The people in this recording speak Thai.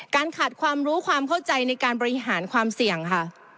ขาดความรู้ความเข้าใจในการบริหารความเสี่ยงค่ะ